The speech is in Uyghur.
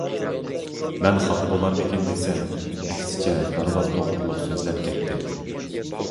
مەن خاپا بولارمىكىن دېسەم، ئەكسىچە دارۋاز توغرۇلۇق سۆزلەپ كەتتى.